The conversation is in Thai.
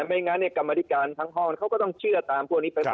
ไม่งั้นกรรมธิการทั้งห้องเขาก็ต้องเชื่อตามพวกนี้ไปก่อน